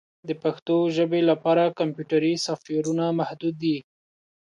د پښتو ژبې لپاره کمپیوټري سافټویرونه محدود دي.